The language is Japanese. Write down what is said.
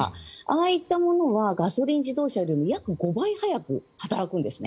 ああいったものはガソリン自動車よりも約５倍早く働くんですね。